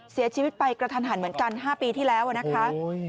เสียชีวิตไปกระทันหันเหมือนกัน๕ปีที่แล้วนะคะ